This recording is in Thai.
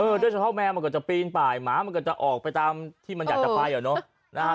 โดยเฉพาะแมวมันก็จะปีนไปหมามันก็จะออกไปตามที่มันอยากจะไปอ่ะเนอะนะฮะ